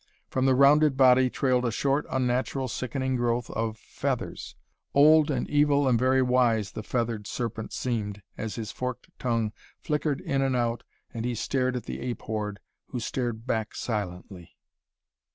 From the rounded body trailed a short, unnatural, sickening growth of feathers. Old and evil and very wise the Feathered Serpent seemed as his forked tongue flickered in and out and he stared at the ape horde, who stared back silently.